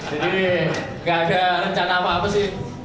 jadi ini nggak ada rencana apa apa sih